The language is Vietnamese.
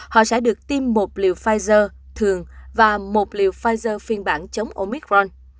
họ sẽ được tìm một liều pfizer thường và một liều pfizer phiên bản chống omicron